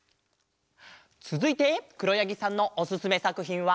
つづいてくろやぎさんのおすすめさくひんは。